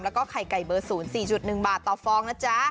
แล้วก็ไข่ไก่เบอร์๐๔๑บาทต่อฟองนะจ๊ะ